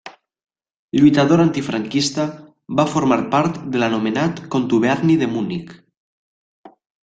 Lluitador antifranquista, va formar part de l'anomenat contuberni de Munic.